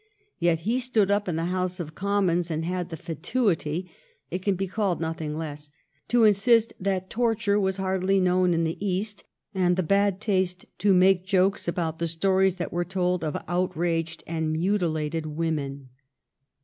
Yet he stood up in the House of Commons and had the fatuity — it can be called nothing less — to insist that torture was hardly known in the East, and the bad taste to make jokes about the stories that were told of outraged and mutilated women.